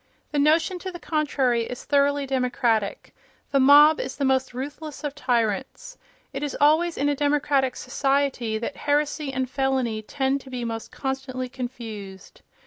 The notion to the contrary is thoroughly democratic; the mob is the most ruthless of tyrants; it is always in a democratic society that heresy and felony tend to be most constantly confused.